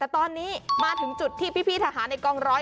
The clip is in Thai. แต่ตอนนี้มาถึงจุดที่พี่ทหารในกองร้อย